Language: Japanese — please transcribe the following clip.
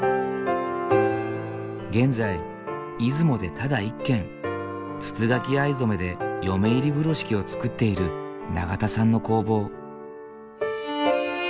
現在出雲でただ一軒筒描藍染で嫁入り風呂敷を作っている長田さんの工房。